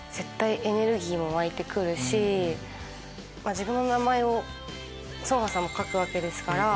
自分の名前を成河さんも書くわけですから。